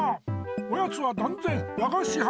おやつはだんぜんわがしは！